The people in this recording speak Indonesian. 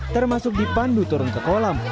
termasuk dipandu turun ke kolam